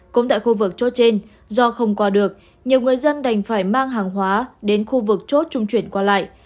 cũng tại khu vực chốt trên do không qua được nhiều người dân đành phải mang hàng hóa đến khu vực chốt trung chuyển qua lại